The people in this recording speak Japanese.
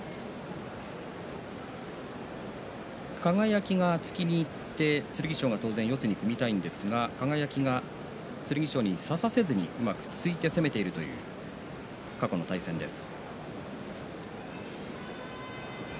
輝が突きにいって、剣翔は当然四つに組みたいんですが輝は剣翔に差させずにうまく突いて攻めているという過去の対戦です。